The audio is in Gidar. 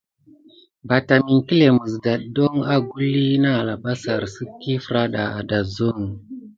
Batam iŋkle mis ɗeɗa nane ogluhana na arabasare sitiki feranda a dosohi.